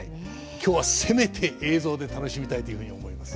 今日はせめて映像で楽しみたいというふうに思います。